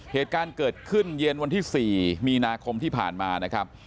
เหตุการณ์เกิดขึ้นเย็นวันที่๔มีนาคมที่ผ่านมานะครับ